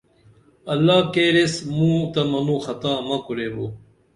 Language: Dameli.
اللہ کیریس موں تہ منوں خطا مہ کُریبو